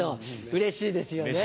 うれしいですよね。